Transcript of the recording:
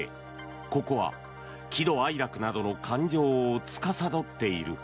ここは喜怒哀楽などの感情をつかさどっている。